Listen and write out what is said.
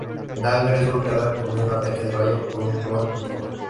Dagger es golpeada con un ataque de rayo por un clon de Thor.